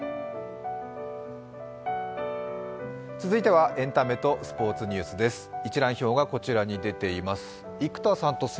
続いてはエンタメとスポーツニュースです。